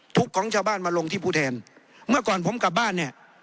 ทุกข์ของชาวบ้านมาลงที่ผู้แทนเมื่อก่อนผมกลับบ้านเนี่ย